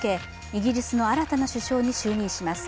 イギリスの新たな首相に就任します。